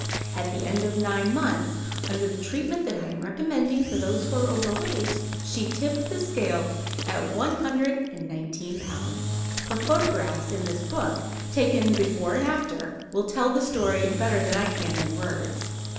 At the end of nine months, under the treatment I am recommending for those who are overweight, she tipped the scales at one hundred and nineteen pounds. Her photographs, in this book, taken "before and after," will tell the story better than I can in words.